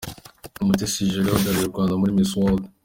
Mutesi Jolly uhagarariye u Rwanda muri Miss World .